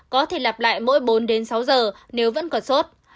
có thể lặp lại mỗi bốn đến sáu giờ nếu vẫn còn sốt